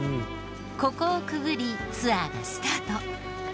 ここをくぐりツアーがスタート。